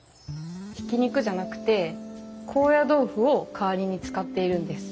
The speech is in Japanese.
ひき肉じゃなくて高野豆腐を代わりに使っているんです。